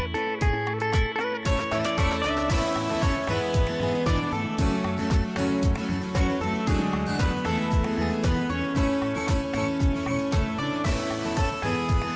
โปรดติดตามตอนต่อไป